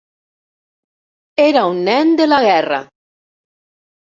Era un nen de la guerra.